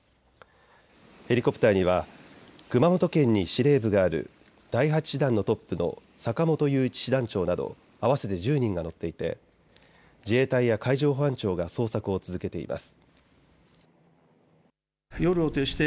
ヘリコプターには熊本県に司令部がある第８師団のトップの坂本雄一師団長など合わせて１０人が乗っていて自衛隊や海上保安庁が捜索を続けています。